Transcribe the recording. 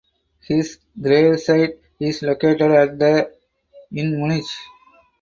His gravesite is located at the in Munich.